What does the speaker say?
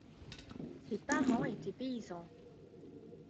Ses parents étaient paysans.